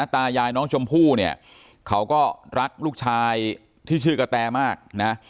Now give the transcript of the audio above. ตายายน้องชมพู่เนี่ยเขาก็รักลูกชายที่ชื่อกระแตมากนะ